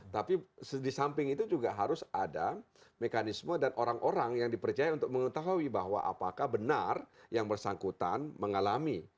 tapi di samping itu juga harus ada mekanisme dan orang orang yang dipercaya untuk mengetahui bahwa apakah benar yang bersangkutan mengalami